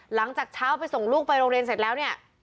หลังจากเช้าไปส่งลูกไปโรงเรียนเสร็จแล้วเนี่ย